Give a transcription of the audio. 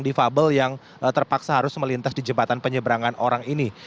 jadi ini adalah penyandang yang terpaksa harus melintas di jembatan penyeberangan orang ini